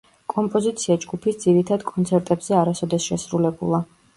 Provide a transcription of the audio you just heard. კომპოზიცია ჯგუფის ძირითად კონცერტებზე არასოდეს შესრულებულა.